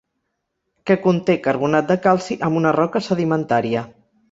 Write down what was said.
Que conté carbonat de calci amb una roca sedimentària.